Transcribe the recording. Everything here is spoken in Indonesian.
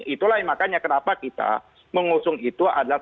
itulah yang makanya kenapa kita mengusung itu adalah